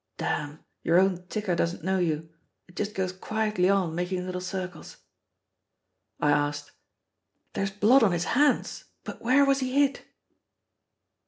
Damn, your own ticker doesn't know you it just goes quietly on making little circles." I asked, "There's blood on his hands; but where was he hit?"